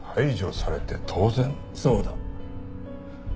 そうだ。